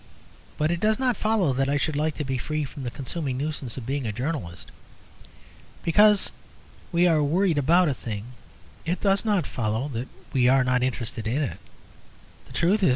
But it does not follow that I should like to be free from the consuming nuisance of being a journalist. Because we are worried about a thing, it does not follow that we are not interested in it.